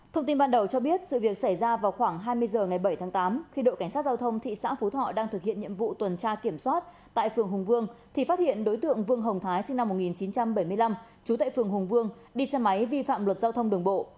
thông tin ban đầu cho biết sự việc xảy ra vào khoảng hai mươi h ngày bảy tháng tám khi đội cảnh sát giao thông thị xã phú thọ đang thực hiện nhiệm vụ tuần tra kiểm soát tại phường hùng vương thì phát hiện đối tượng vương hồng thái sinh năm một nghìn chín trăm bảy mươi năm trú tại phường hùng vương đi xe máy vi phạm luật giao thông đường bộ